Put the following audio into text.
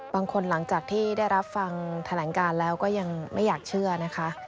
หลังจากที่ได้รับฟังแถลงการแล้วก็ยังไม่อยากเชื่อนะคะ